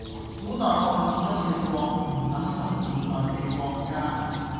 古代漢語中嘅「國」唔等同現代嘅「國家」